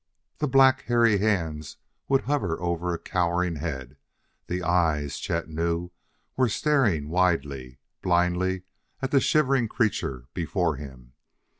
The black, hairy hands would hover over a cowering head; the eyes, Chet knew, were staring widely, blindly, at the shivering creature before him.